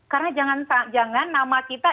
karena jangan nama kita